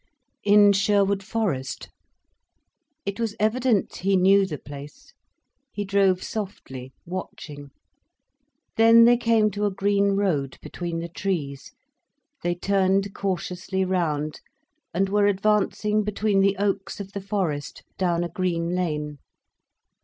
"In Sherwood Forest." It was evident he knew the place. He drove softly, watching. Then they came to a green road between the trees. They turned cautiously round, and were advancing between the oaks of the forest, down a green lane.